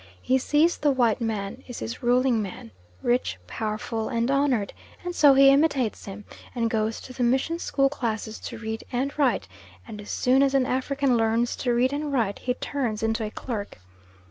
He sees the white man is his ruling man, rich, powerful, and honoured, and so he imitates him, and goes to the mission school classes to read and write, and as soon as an African learns to read and write he turns into a clerk.